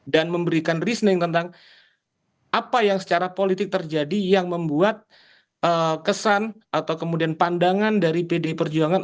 dan memberikan reasoning tentang apa yang secara politik terjadi yang membuat kesan atau kemudian pandangan dari pd perjuangan